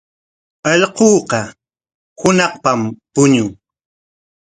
Allquuqa hunaqpam puñun.